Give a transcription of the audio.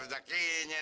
situ yang kelihatan